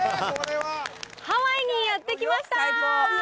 ハワイにやって来ました！